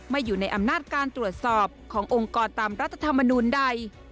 อยู่ในอำนาจการตรวจสอบขององค์กรตามรัฐธรรมนูลใด